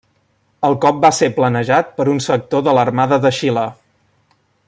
El cop va ser planejat per un sector de l'Armada de Xile.